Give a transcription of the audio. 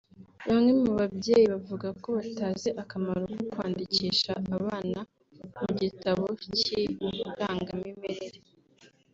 Bamwe mu babyeyi bavuga ko batazi akamaro ko kwandikisha abana mu gitabo cy’irangamimerere